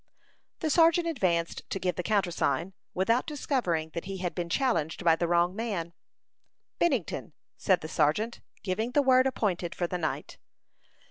The sergeant advanced to give the countersign, without discovering that he had been challenged by the wrong man. "Bennington" said the sergeant, giving the word appointed for the night.